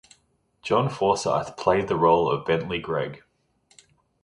John Forsythe played the role of Bentley Gregg.